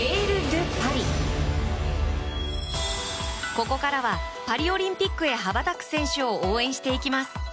ここからはパリオリンピックへ羽ばたく選手を応援していきます。